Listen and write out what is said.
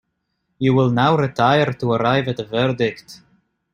You will now retire to arrive at a verdict.